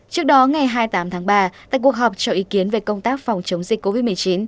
trước đó ngày hai mươi tám tháng ba tại cuộc họp cho ý kiến về công tác phòng chống dịch covid một mươi chín